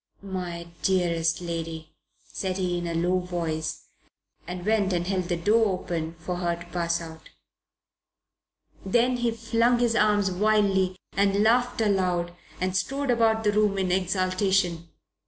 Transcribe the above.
"My dearest lady," said he in a low voice, and went and held the door open for her to pass out. Then he flung up his arms wildly and laughed aloud and strode about the room in exultation.